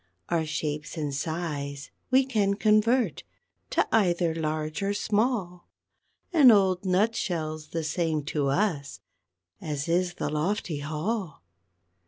_ _Our shapes and size we can convert To either large or small, An old nut shell's the same to us As is the lofty hall.